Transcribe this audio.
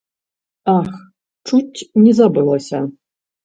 Ах, чуць не забылася.